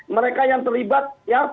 mereka yang terlibat